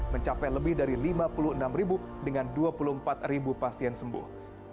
mencapai lebih dari lima puluh enam ribu dengan dua puluh empat pasien sembuh